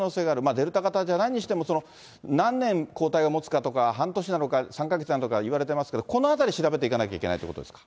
デルタ型じゃないにしても、何年抗体がもつかとか、半年なのか、３か月なのかといわれてますけど、このあたり調べていかなきゃいけないということですか。